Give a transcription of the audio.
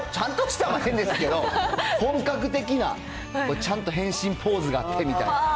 ちゃんとしたって変ですけど、本格的な、ちゃんと変身ポーズがあってみたいな。